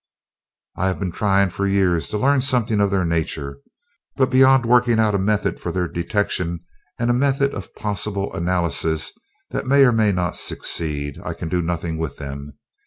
"I have been trying for years to learn something of their nature, but beyond working out a method for their detection and a method of possible analysis that may or may not succeed I can do nothing with them.